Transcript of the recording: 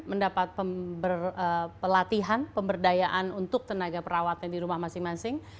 mendapat pelatihan pemberdayaan untuk tenaga perawatan di rumah masing masing